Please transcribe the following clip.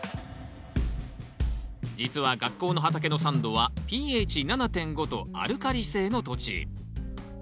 実は学校の畑の酸度はｐＨ７．５とアルカリ性の土地。